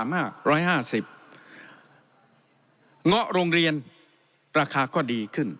เงาะโรงเรียนราคาก็ดีขึ้น